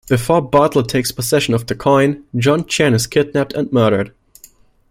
Before Bartlett takes possession of the coin, John Chen is kidnapped and murdered.